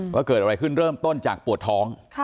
ว่าเกิดอะไรขึ้นเริ่มต้นจากปวดท้อง